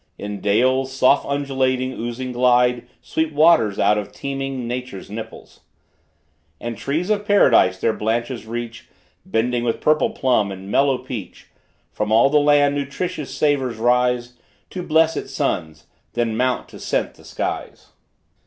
In dales, soft undulating, oozing glide Sweet waters, out of teeming nature's nipples; And trees of Paradise their branches reach, Bending with purple plum and mellow peach. From all the land nutritious savors rise, To bless its sons, then mount to scent the skies.